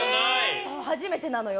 初めてなのよ。